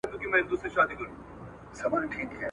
ما خو دي د پله خاوري رنجو لره ساتلي وې `